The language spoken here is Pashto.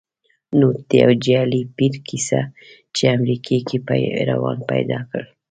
نوټ: د یو جعلې پیر کیسه چې امریکې کې پیروان پیدا کړل